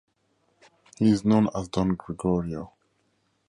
He is known as "Don Gregorio".